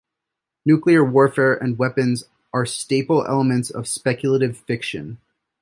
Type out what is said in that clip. Nuclear warfare and weapons are staple elements of speculative fiction.